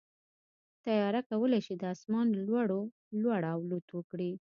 طیاره کولی شي د اسمان له لوړو لوړ الوت وکړي.